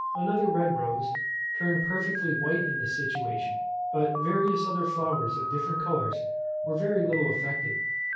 Another red rose turned perfectly white in this situation; but various other flowers of different colours were very little affected.